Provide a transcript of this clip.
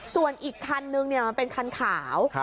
ส่วนอีกคันนึงมันเป็นคันขาว